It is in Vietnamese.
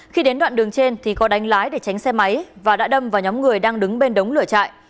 khi đến đoạn đường trên thì có đánh lái để tránh xe máy và đã đâm vào nhóm người đang đứng bên đống lửa chạy